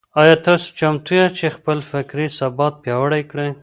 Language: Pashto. آيا تاسو چمتو ياست چي خپل فکري ثبات پياوړی کړئ؟